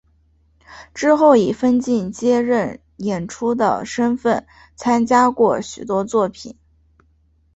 之后以分镜兼任演出的身分参加过许多作品。